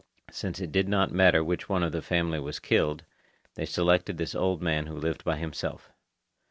Since it did not matter which one of the family was killed, they selected this old man who lived by himself.